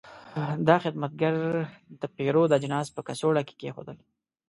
دا خدمتګر د پیرود اجناس په کڅوړو کې کېښودل.